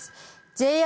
ＪＲ